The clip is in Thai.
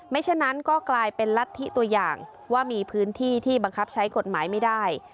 ฉะนั้นก็กลายเป็นลัทธิตัวอย่างว่ามีพื้นที่ที่บังคับใช้กฎหมายไม่ได้